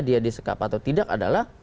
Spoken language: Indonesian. dia disekap atau tidak adalah